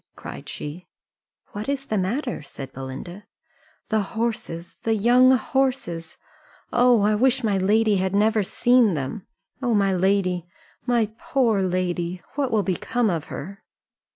cried she. "What is the matter?" said Belinda. "The horses the young horses! Oh, I wish my lady had never seen them. Oh, my lady, my poor lady, what will become of her?"